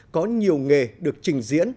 có nhiều nghề được trình diễn